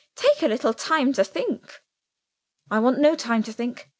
Take a little time to think." "I want no time to think.